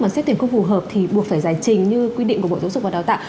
mà xét tuyển không phù hợp thì buộc phải giải trình như quy định của bộ giáo dục và đào tạo